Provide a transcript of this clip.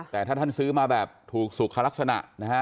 แต่ถ้าท่านซื้อมาแบบถูกสุขลักษณะนะฮะ